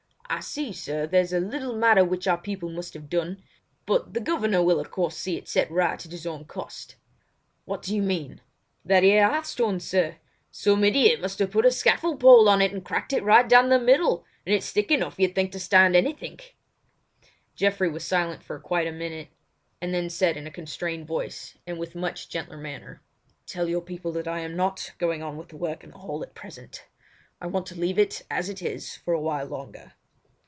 "I see, sir, there is a little matter which our people must have done; but the governor will of course see it set right at his own cost." "What do you mean?" "That "ere "arth stone, sir: Some idiot must have put a scaffold pole on it and cracked it right down the middle, and it's thick enough you'd think to stand hanythink." Geoffrey was silent for quite a minute, and then said in a constrained voice and with much gentler manner: "Tell your people that I am not going on with the work in the hall at present. I want to leave it as it is for a while longer."